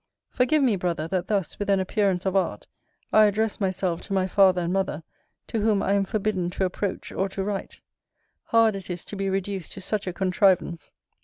Forgive me, Brother, that thus, with an appearance of art, I address myself to my father and mother, to whom I am forbidden to approach, or to write. Hard it is to be reduced to such a contrivance!